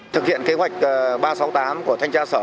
thực hiện kế hoạch ba trăm sáu mươi tám của thanh tra sở